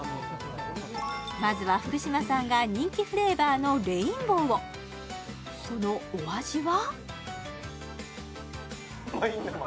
まずは福嶌さんが人気フレーバーのレインボーをそのお味は？